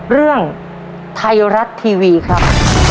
เรื่องไทยรัฐทีวีครับ